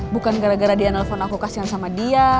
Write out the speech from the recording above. bukan gara gara dia nelfon aku kasihan sama dia